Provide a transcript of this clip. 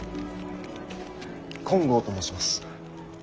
金剛と申します。